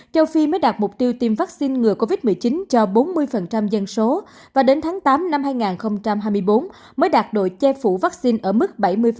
châu phi mới đạt mục tiêu tiêm vaccine ngừa covid một mươi chín cho bốn mươi dân số và đến tháng tám năm hai nghìn hai mươi bốn mới đạt độ che phủ vaccine ở mức bảy mươi